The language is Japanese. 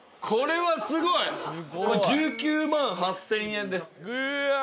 これ１９万８，０００円です。